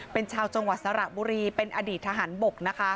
เป็นชาวจังหวัดสระบุรีเป็นอดีตทหารบกนะคะ